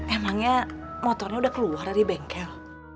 emangnya motornya udah keluar dari bengkel